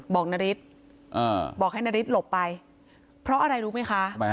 นาริสบอกให้นาริสหลบไปเพราะอะไรรู้ไหมคะ